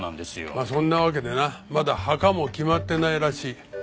まあそんなわけでなまだ墓も決まってないらしい。